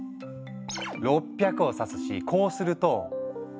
「６００」を指すしこうすると。